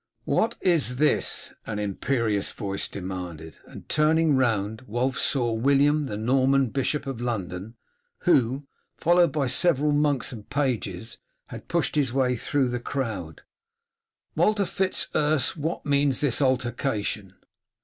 "What is this?" an imperious voice demanded; and turning round, Wulf saw William, the Norman Bishop of London, who, followed by several monks and pages, had pushed his way through the crowd. "Walter Fitz Urse, what means this altercation?"